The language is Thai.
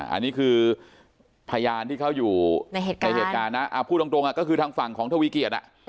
อันนี้คือพยานที่เขาอยู่ในเหตุการณ์นะพูดตรงก็คือทางฝั่งของทวีเกียจ